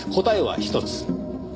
答えは一つ。